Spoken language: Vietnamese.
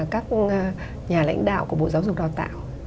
các nhà lãnh đạo của bộ giáo dục đào tạo